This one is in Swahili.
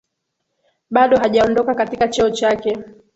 bado hajaondoka katika cheo chake